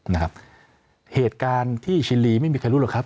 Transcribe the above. นะครับเหตุการณ์ที่ชินลีไม่มีใครรู้หรอกครับ